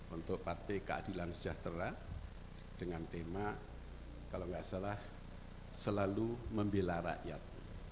untuk partai keadilan sejahtera dengan tema kalau nggak salah selalu membela rakyat